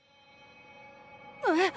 えっ？